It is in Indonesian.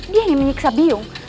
dia yang menyiksa biyung